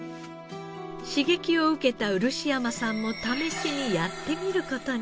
刺激を受けた漆山さんも試しにやってみる事に。